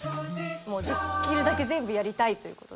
もうできるだけ全部やりたいという事で。